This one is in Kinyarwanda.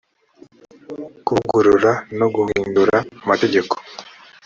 kuvugurura no guhindura amategeko